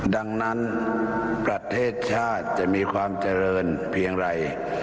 ดังนั้นประเทศชาติจะมีความเจริญเพียงไร